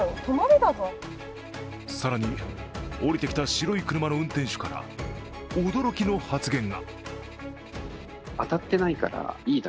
更に、降りてきた白い車の運転手から、驚きの発言が。